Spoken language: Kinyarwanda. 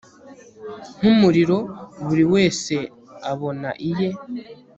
nk'umuriro, buri wese abona iye